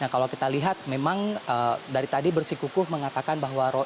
kalau kita lihat memang dari tadi bersikukuh mengatakan bahwa